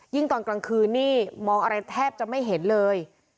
ตอนกลางคืนนี่มองอะไรแทบจะไม่เห็นเลย